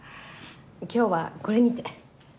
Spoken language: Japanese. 今日はこれにて。